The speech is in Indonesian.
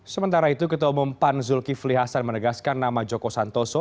sementara itu ketua umum pan zulkifli hasan menegaskan nama joko santoso